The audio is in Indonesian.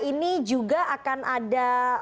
ini juga akan ada